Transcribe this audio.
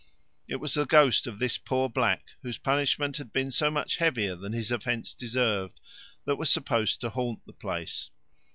It was the ghost of this poor black, whose punishment had been so much heavier than his offence deserved, that was supposed to haunt the place.